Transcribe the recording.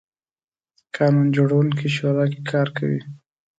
قانون جوړوونکې شورا کې کار کوي.